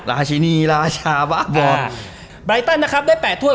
ราชินีราชาบ้างอะบลำแบบดั้งนะครับได้แปดถ้วย